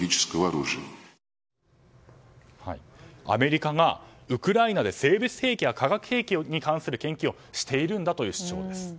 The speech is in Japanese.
アメリカがウクライナで生物兵器や化学兵器に関する研究をしているんだという主張です。